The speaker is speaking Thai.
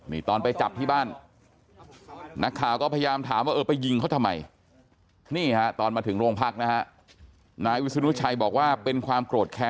มีตอนไปจับที่บ้านนักข่าวก็พยายามถามว่าเออไปยิงเค้าทำไม